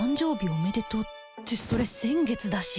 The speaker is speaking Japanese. おめでとうってそれ先月だし